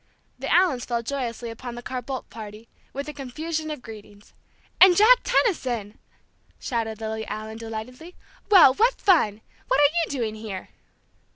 The Allens fell joyously upon the Carr Boldt party, with a confusion of greetings. "And Jack Tenison!" shouted Lily Allen, delightedly. "Well, what fun! What are you doing here?"